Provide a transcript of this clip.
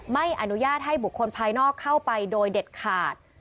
ไม่อนุญาตให้บุคคลภายนอกเข้าไปโดยเด็ดขาด